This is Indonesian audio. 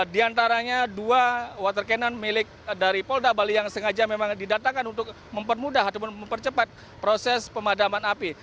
di antaranya dua water cannon milik dari polda bali yang sengaja memang didatangkan untuk mempermudah ataupun mempercepat proses pemadaman api